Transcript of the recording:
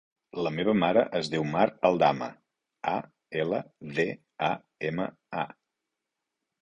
La meva mare es diu Mar Aldama: a, ela, de, a, ema, a.